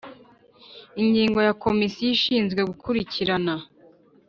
Ingingo ya Komisiyo ishinzwe gukurikirana